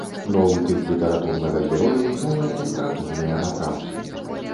Новы тып літаратурнага героя і новыя літаратурныя напрамкі.